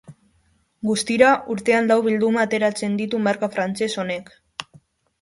Guztira, urtean lau bilduma ateratzen ditu marka frantses honek.